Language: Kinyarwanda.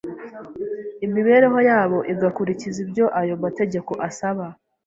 imibereho yabo igakurikiza ibyo ayo mategeko asaba,